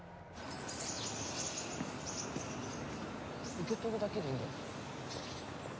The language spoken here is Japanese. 受け取るだけでいいんだよね？